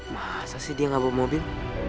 masa sih dia nggak bawa mobil